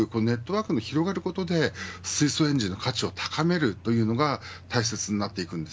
ネットワークが広がることで水素エンジンの価値を高めるというのが大切です。